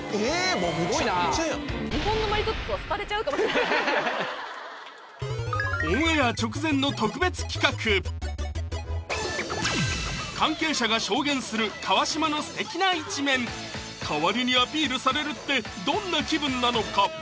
もうむちゃくちゃやんスゴいな関係者が証言する川島のステキな一面代わりにアピールされるってどんな気分なのか？